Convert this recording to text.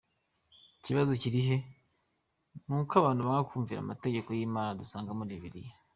Ikibazo kili hehe? Nuko abantu banga kumvira amategeko y’imana dusanga muli Bible.